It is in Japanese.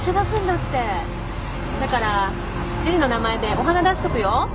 だからジュニの名前でお花出しとくよ。